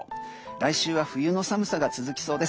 来週は冬の寒さが続きそうです。